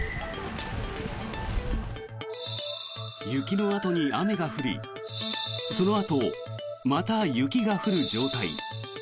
雪のあとに雨が降りそのあとまた雪が降る状態。